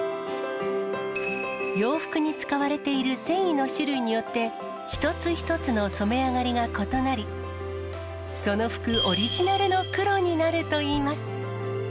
洋服に使われている繊維の種類によって、一つ一つの染め上がりが異なり、その服オリジナルの黒になるといいます。